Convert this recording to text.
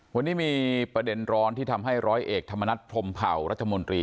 วันนี้มีประเด็นร้อนที่ทำให้ร้อยเอกธรรมนัฐพรมเผารัฐมนตรี